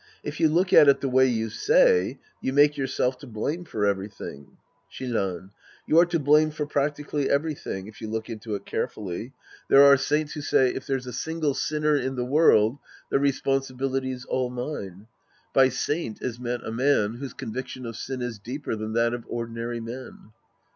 If you look at it the way you say, you make yourself to blame for everything. Shinran. You are to blame for practically every thing, if you look into it carefully. There are saints 198 The Priest and His Disciples Act V lyho say, " If there's a single sinner in the world, the responsibility's all mine." «By "saint" is meant a man whose conviction of sin is deeper than that of ordinaiy men.